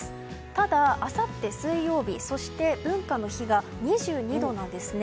ただ、あさって水曜日そして、文化の日が２２度なんですね。